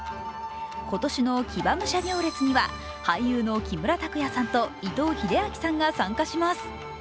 今年の騎馬武者行列には俳優の木村拓哉さんと伊藤英明さんが参加します。